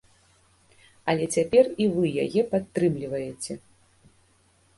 Але цяпер і вы яе падтрымліваеце!